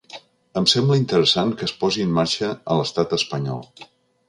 Em sembla interessant que es posi en marxa a l’estat espanyol.